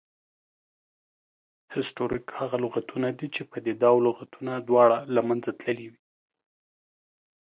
هسټوریک هغه لغتونه دي، چې پدیده او لغتونه دواړه له منځه تللې وي